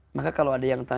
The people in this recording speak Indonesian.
maka kalau ada yang tanya